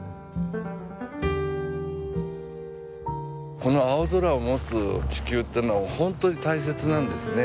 この青空を持つ地球ってのは本当に大切なんですね。